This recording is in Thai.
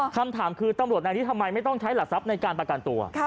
คำถามคือตำรวจนายนี้ทำไมไม่ต้องใช้หลักทรัพย์ในการประกันตัว